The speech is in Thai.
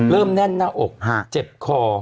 เริ่มแน่นหน้าอกเจ็บคอ